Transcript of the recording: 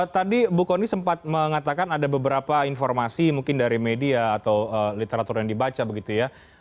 tadi bu kony sempat mengatakan ada beberapa informasi mungkin dari media atau literatur yang dibaca begitu ya